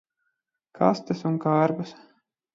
Kastes un kārbas.